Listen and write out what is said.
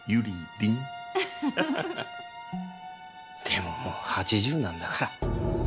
でももう８０なんだから。